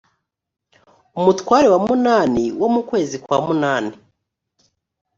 umutware wa munani wo mu kwezi kwa munani